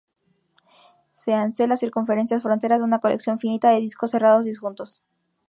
Sean "C" las circunferencias frontera de una colección finita de discos cerrados disjuntos.